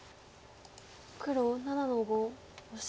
黒７の五オシ。